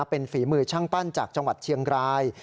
เป็นฝีมือช่างปั้นจากจังหวัดเชียงราย